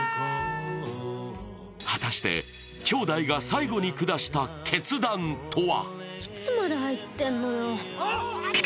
果たして兄弟が最後に下した決断とは。